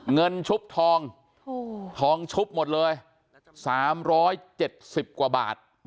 เงินชุบทองทองชุบหมดเลยสามร้อยเจ็ดสิบกว่าบาท